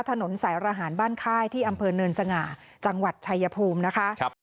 ถนนสายระหารบ้านค่ายที่อำเภอเนินสง่าจังหวัดชายภูมินะคะ